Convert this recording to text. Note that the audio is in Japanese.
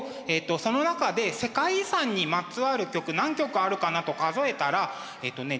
その中で世界遺産にまつわる曲何曲あるかなと数えたらえっとね１０曲あったんです。